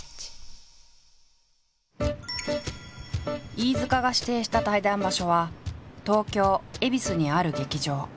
飯塚が指定した対談場所は東京恵比寿にある劇場。